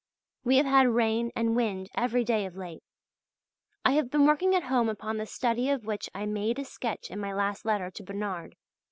We have had rain and wind every day of late. I have been working at home upon the study of which I made a sketch in my last letter to Bernard.